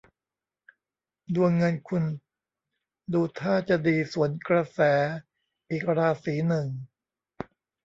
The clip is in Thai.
ดวงเงินคุณดูท่าจะดีสวนกระแสอีกราศีหนึ่ง